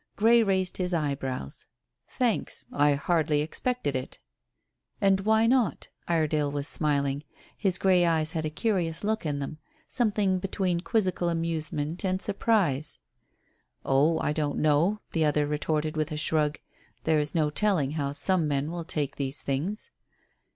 Grey raised his eyebrows. "Thanks. I hardly expected it." "And why not?" Iredale was smiling, his grey eyes had a curious look in them something between quizzical amusement and surprise. "Oh, I don't know," the other retorted with a shrug. "There is no telling how some men will take these things."